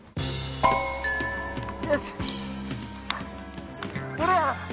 よし！